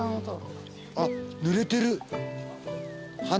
あっぬれてる。